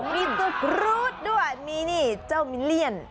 มีตัวกรูดด้วยมีนี่เจ้ามิเลียน